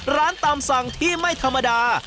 ร้านตามสั่งที่ไม่ธรรมดา